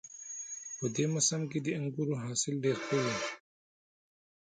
په دې موسم کې د انګورو حاصل ډېر ښه وي